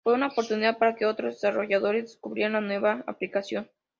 Fue una oportunidad para que otros desarrolladores descubrieran la nueva aplicación.